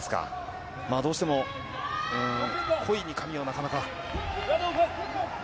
どうしても故意に髪をなかなか。